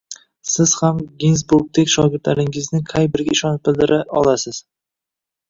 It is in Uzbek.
Siz ham Ginzburgdek shogirdlaringizning qay biriga ishonch bildira olasiz?